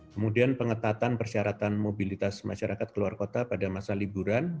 kemudian pengetatan persyaratan mobilitas masyarakat keluar kota pada masa liburan